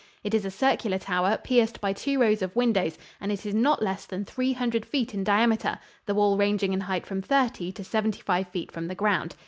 It is a circular tower, pierced by two rows of windows, and is not less than three hundred feet in diameter, the wall ranging in height from thirty to seventy five feet from the ground.